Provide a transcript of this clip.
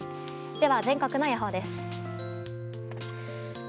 では全国の予報です。